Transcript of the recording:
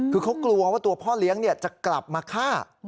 คือเขากลัวว่าตัวพ่อเลี้ยงจะกลับมาฆ่า